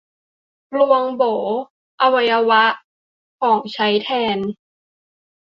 กลวงโบ๋ อวัยวะ ของใช้แทน